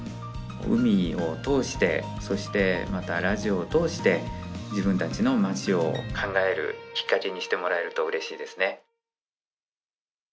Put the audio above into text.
海を通してそしてまたラジオを通して自分たちの町を考えるきっかけにしてもらえるとうれしいですね。